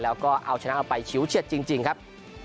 แล้วก็เอาชนะเราไปชิวเฉียดจริงครับ